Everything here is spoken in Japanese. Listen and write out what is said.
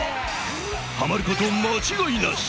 ハマること間違いなし！